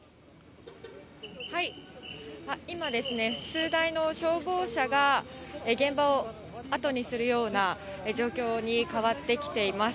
今、数台の消防車が、現場を後にするような状況に変わってきています。